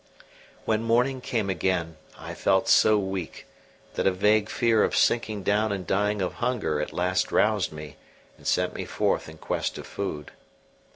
When morning came again, I felt so weak that a vague fear of sinking down and dying of hunger at last roused me and sent me forth in quest of food.